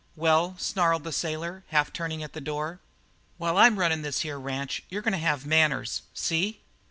"Well?" snarled the sailor, half turning at the door. "While I'm runnin' this here ranch you're goin' to have manners, see?"